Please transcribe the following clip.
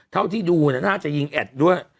เท่าที่ดูน่าจะยิงแอดด้วย